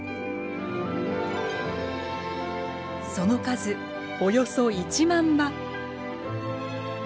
その数およそ１万羽。